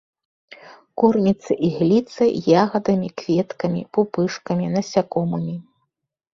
Корміцца ігліцай, ягадамі, кветкамі, пупышкамі, насякомымі.